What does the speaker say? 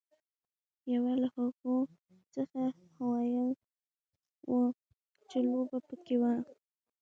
یوه له هغو څخه هویل وه چې لوبه پکې وه.